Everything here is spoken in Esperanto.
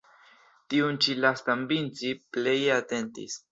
Tiun ĉi lastan Vinci pleje atentis.